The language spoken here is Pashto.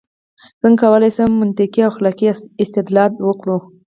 څنګه کولای شو منطقي او اخلاقي استدلال وکړو؟